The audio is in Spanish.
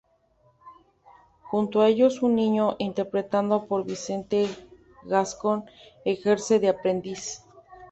Junto a ellos, un niño, interpretado por Vicente Gascón, ejerce de aprendiz.